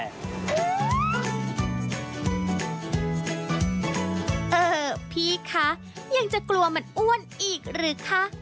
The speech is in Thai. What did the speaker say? พี่คะยังจะกลัวมันอ้วนอีกหรือคะ